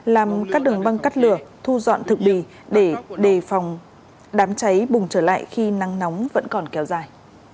làm các đường băng cắt lửa thu dọn thực bì để đề phòng đám cháy bùng trở lại khi nắng nóng vẫn còn kéo dài